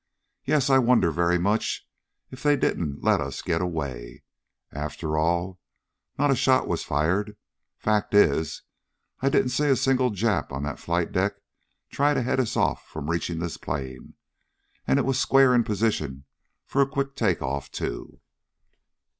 "Yes, I wonder very much if they didn't let us get away. After all, not a shot was fired. Fact is, I didn't see a single Jap on that flight deck try to head us off from reaching this plane. And it was square in position for a quick take off, too!"